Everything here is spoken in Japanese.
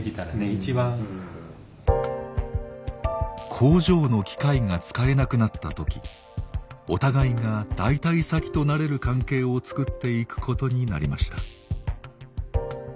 工場の機械が使えなくなった時お互いが代替先となれる関係を作っていくことになりました。